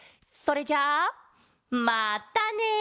それじゃまったね！